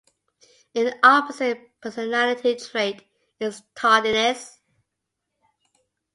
An opposite personality trait is tardiness.